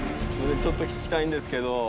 ちょっと聞きたいんですけど。